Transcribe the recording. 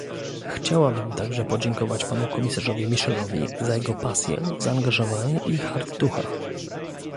Chciałabym także podziękować panu komisarzowi Michelowi za jego pasję, zaangażowanie i hart ducha